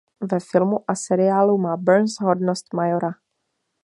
Ve filmu a seriálu má Burns hodnost majora.